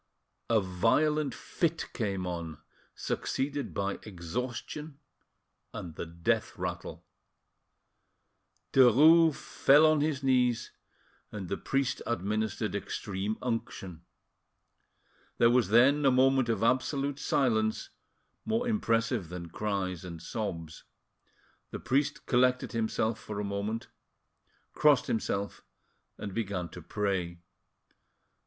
A violent fit came on, succeeded by exhaustion and the death rattle. Derues fell on his knees, and the priest administered extreme unction. There was then a moment of absolute silence, more impressive than cries and sobs. The priest collected himself for a moment, crossed himself, and began to pray.